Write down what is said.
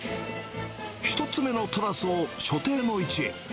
１つ目のトラスを所定の位置へ。